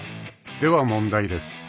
［では問題です。